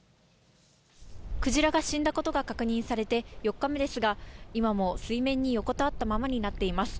クジラが死んだことが確認されて４日目ですが、今も水面に横たわったままになっています。